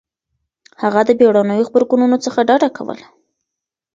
هغه د بېړنيو غبرګونونو څخه ډډه کوله.